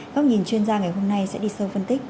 góc nhìn chuyên gia ngày hôm nay sẽ đi sâu phân tích